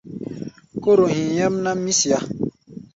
Kóro hí̧í̧ nyɛ́mná, mí siá.